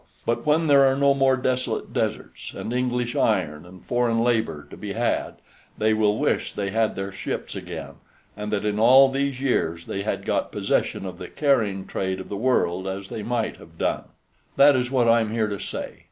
But when there are no more desolate deserts and English iron and foreign labor to be had, they will wish they had their ships again, and that in all these years they had got possession of the carrying trade of the world, as they might have done. "That is what I am here to say.